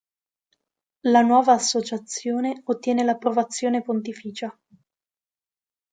La nuova associazione ottiene l'approvazione pontificia.